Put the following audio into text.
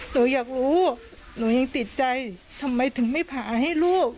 หนูอยากรู้หนูยังติดใจทำไมถึงไม่ผ่าให้ลูก